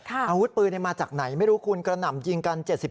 อาวุธปืนมันมาจากไหนไม่รู้คุณกระหน่ำยิงกัน๗๐๑๐๐นาทรัฐ